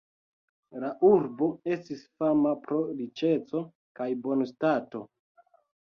La urbo estis fama pro riĉeco kaj bonstato.